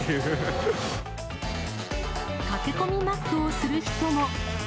駆け込みマックをする人も。